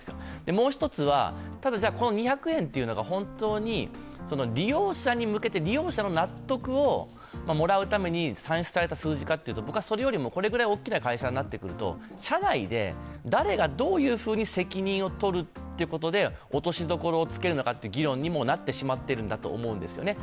もう一つは、ただこの２００円というのが本当に利用者に向けて、利用者の納得をもらうために算出された数字かというと、僕はそれよりも、このぐらい大きな会社になってくると社内で誰がどういうふうに責任をとるということで落としどころをつけるのかって議論になってしまっているんだと思うんですよね。